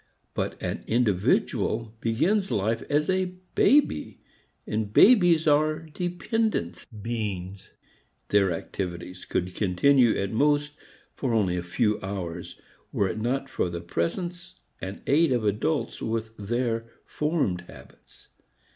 But an individual begins life as a baby, and babies are dependent beings. Their activities could continue at most for only a few hours were it not for the presence and aid of adults with their formed habits.